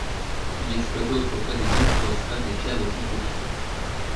On y exploitait autrefois des mines pour extraire des pierres de construction.